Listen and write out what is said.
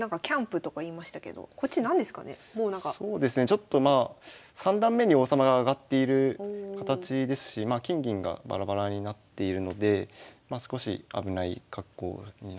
ちょっとまあ三段目に王様が上がっている形ですし金銀がバラバラになっているのでまあ少し危ない格好になってますね。